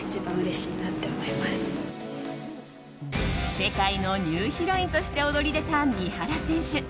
世界のニューヒロインとして躍り出た、三原選手。